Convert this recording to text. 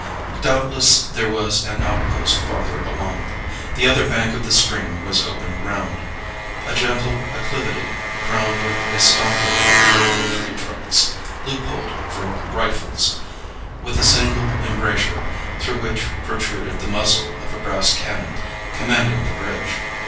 Doubtless there was an outpost farther along. The other bank of the stream was open ground a gentle acclivity crowned with a stockade of vertical tree trunks, loopholed for rifles, with a single embrasure through which protruded the muzzle of a brass cannon commanding the bridge.